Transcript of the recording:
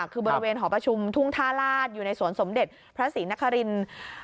คือบริเวณหอประชุมทุ่งท่าลาศอยู่ในสวนสมเด็จพระศรีนครินทร์